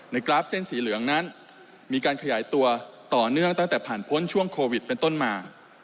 กราฟเส้นสีเหลืองนั้นมีการขยายตัวต่อเนื่องตั้งแต่ผ่านพ้นช่วงโควิดเป็นต้นมา